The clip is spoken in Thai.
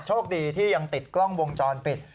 โชคดีที่ยังติดกล้องวงจรปิด